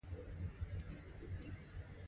ښکار په ټولو روایاتو کې حرام وای